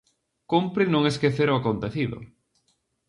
Cómpre non esquecer o acontecido.